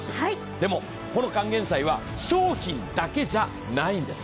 でも、この還元祭は商品だけじゃないんです。